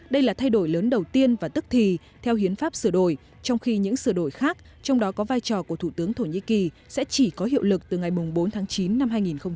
đây là thay đổi lớn đầu tiên và tức thì theo hiến pháp sửa đổi trong khi những sửa đổi khác trong đó có vai trò của thủ tướng thổ nhĩ kỳ sẽ chỉ có hiệu lực từ ngày bốn tháng chín năm hai nghìn một mươi chín